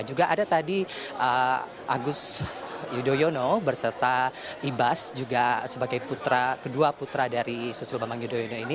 juga ada tadi agus yudhoyono berserta ibas juga sebagai putra kedua putra dari susilo bambang yudhoyono ini